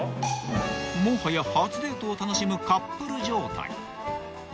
［もはや初デートを楽しむカップル状態］